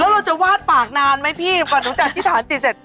แล้วเราจะวาดปากนานไหมพี่กว่าหนูจะอธิษฐานจิตเสร็จ